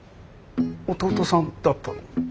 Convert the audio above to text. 弟さんだったの？